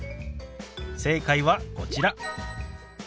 正解はこちら。